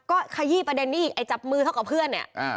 ก็ขยี้ประเด็นนี้อีกไอ้จับมือเท่ากับเพื่อนเนี่ย